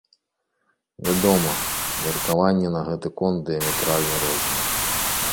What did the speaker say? Вядома, меркаванні на гэты конт дыяметральна розныя.